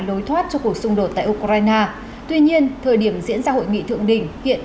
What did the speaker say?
lối thoát cho cuộc xung đột tại ukraine tuy nhiên thời điểm diễn ra hội nghị thượng đỉnh hiện